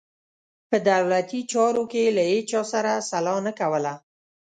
په دولتي چارو کې یې له هیچا سره سلا نه کوله.